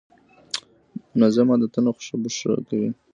منظم عادتونه خوب ښه کوي.